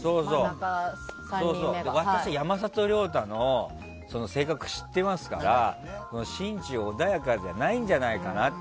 私は山里亮太の性格を知ってますから心中穏やかじゃないんじゃないかなと思って。